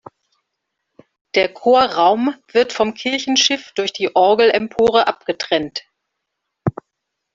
Der Chorraum wird vom Kirchenschiff durch die Orgelempore abgetrennt.